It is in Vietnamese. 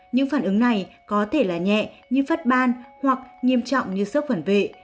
những phản ứng này có thể là nhẹ như phất ban hoặc nghiêm trọng như sức phản vệ